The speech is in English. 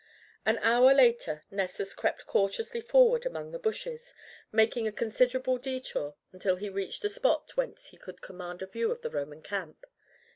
An hour later Nessus crept cautiously forward among the bushes, making a considerable detour until he reached the spot whence he could command a view of the Roman camp.